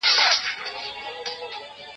زورور یم خو څوک نه آزارومه